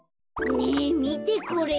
ねえみてこれ。